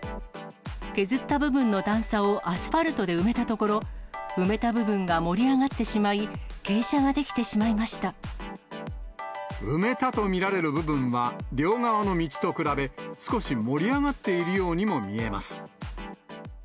削った部分の段差をアスファルトで埋めたところ、埋めた部分が盛り上がってしまい、埋めたと見られる部分は、両側の道と比べ、少し盛り上がっているようにも見えます。